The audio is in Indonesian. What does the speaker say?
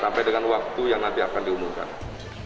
sampai dengan waktu yang nanti akan diumumkan